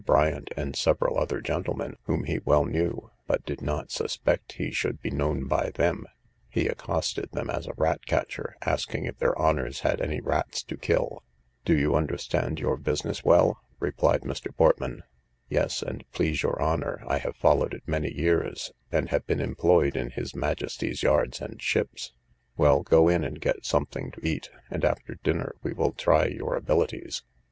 Bryant, and several other gentlemen whom he well knew, but did not suspect he should be known by them, he accosted them as a rat catcher, asking if their Honours had any rats to kill. Do you understand your business well? replied Mr. Portman. Yes, and please your honour; I have followed it many years, and have been employed in his majesty's yards and ships. Well, go in and get something to eat; and after dinner we will try your abilities.